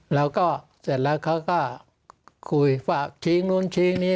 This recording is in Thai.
แล้วก็เสร็จแล้วเขาก็คุยฝากชี้นู้นชี้นี้